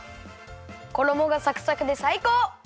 ころもがサクサクでさいこう！